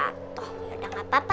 aku harus bikin perhitungan sama reva